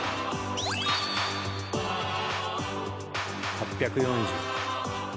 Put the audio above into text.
８４０。